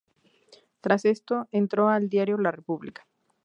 Tras esto entró al diario "La República".